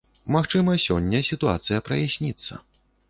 Магчыма, сёння сітуацыя праясніцца.